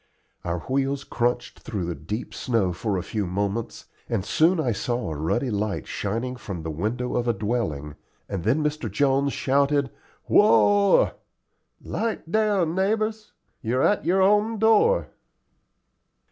Our wheels crunched through the deep snow for a few moments, and soon I saw a ruddy light shining from the window of a dwelling, and then Mr. Jones shouted, "Whoa! 'Light down, neighbors; you're at your own door."